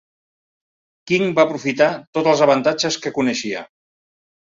King va aprofitar tots els avantatges que coneixia.